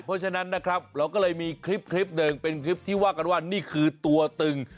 เพราะฉะนั้นนะครับเราก็เลยมีคลิปหนึ่งเป็นคลิปที่ว่ากันว่านี่คือตัวตึง